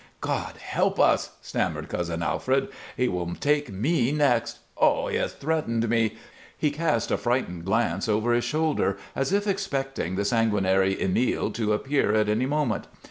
"God help us!" stammered Cousin Alfred. "He will take me next! Oh, he has threatened me " He cast a frightened glance over his shoulder, as if expecting the sanguinary Emile to appear at any moment.